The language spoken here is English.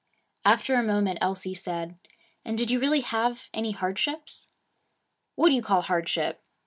After a moment Elsie said, 'And did you really have any hardships?' 'What do you call hardship?